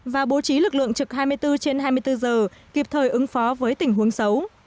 và bố trí lực lượng trực hai mươi bốn trên hai mươi bốn giờ kịp thời ứng phó với tình huống xấu